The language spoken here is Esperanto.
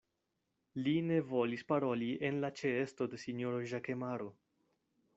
Li ne volis paroli en la ĉeesto de sinjoro Ĵakemaro.